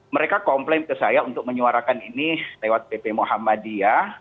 mereka komplain ke saya untuk menyuarakan ini lewat pp muhammadiyah